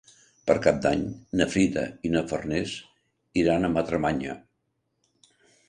Per Cap d'Any na Frida i na Farners iran a Madremanya.